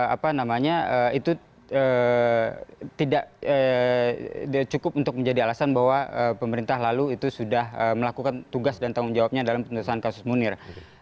apa namanya itu tidak cukup untuk menjadi alasan bahwa pemerintah lalu itu sudah melakukan tugas dan tanggung jawabnya dalam penutusan kasus munir